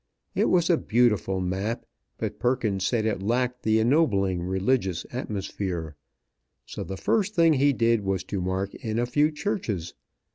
It was a beautiful map, but Perkins said it lacked the ennobling religious atmosphere; so the first thing he did was to mark in a few churches.